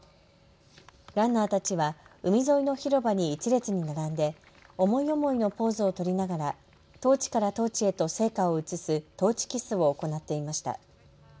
ランナーたちは海沿いの広場に１列に並んで思い思いのポーズを取りながらトーチからトーチへと聖火を移すトーチキスを行っていました。